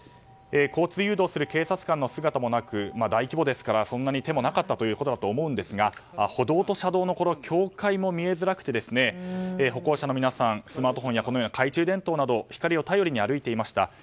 交通誘導する警察官の姿もなく大規模ですから、そんなに手もなかったということだと思うんですが歩道と車道の境界も見えづらくて歩行者の皆さんはスマートフォンや懐中電灯などの光を頼りに歩いていました。